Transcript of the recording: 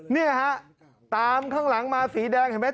นี่ฮะตามข้างหลังมาสีแดงเห็นไหม